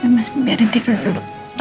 yaudah biarin tika duduk